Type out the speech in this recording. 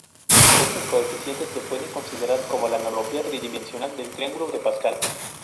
Estos coeficientes se pueden considerar como la analogía tridimensional del triángulo de Pascal.